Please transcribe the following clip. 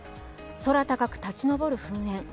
空高く立ち上る噴煙。